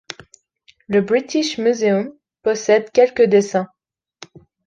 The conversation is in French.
Le British Museum possède quelques dessins.